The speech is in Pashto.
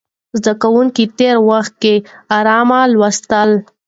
زده کوونکي تېر وخت کې ارام لوستل.